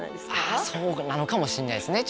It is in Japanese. ああそうなのかもしれないですね。